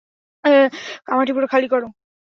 কামাঠিপুরা খালি করো!